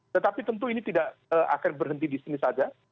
tetapi tentu ini tidak akan berhenti di sini saja